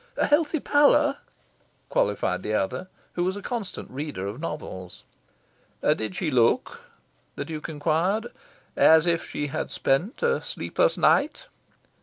"A healthy pallor," qualified the other, who was a constant reader of novels. "Did she look," the Duke inquired, "as if she had spent a sleepless night?"